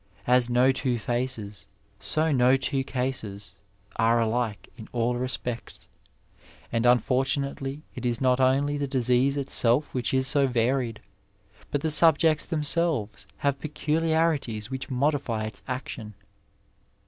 As no two faces, so no two cases are alike in all respects, and unfortunately it is not only the disease itself which is so varied, but the subjects themselves have peculiarities which modify its action.